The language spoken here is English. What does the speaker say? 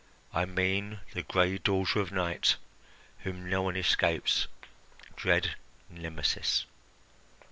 I mean the gray daughter of Night, whom no one escapes, dread Nemesis."